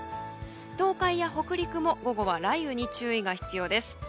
東海や北陸も午後は雷雨に注意が必要です。